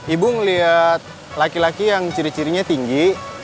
ibu melihat laki laki yang ciri cirinya tinggi